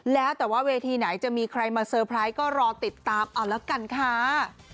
แล้วแต่ว่าเวทีไหนจะมีใครมาเซอร์ไพรส์ก็รอติดตามเอาแล้วกันค่ะ